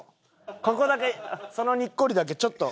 ここだけそのにっこりだけちょっと撮ろうか。